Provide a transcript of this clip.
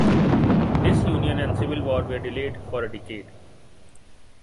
Disunion and civil war were delayed for a decade.